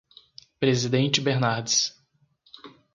Presidente Bernardes